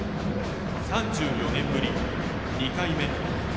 ３４年ぶり２回目。